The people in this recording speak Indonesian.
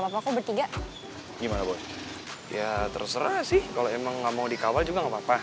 apapak bertiga gimana ya terserah sih kalau emang ambil dikawal juga diri